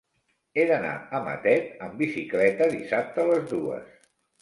He d'anar a Matet amb bicicleta dissabte a les dues.